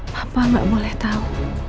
papa nggak boleh tahu